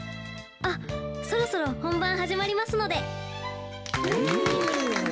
あっそろそろ本番始まりますので。